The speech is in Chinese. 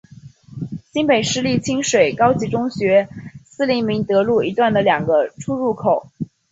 新北市立清水高级中学毗邻明德路一段的两个出入口。